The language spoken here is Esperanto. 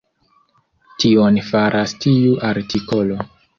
Tion faras tiu artikolo.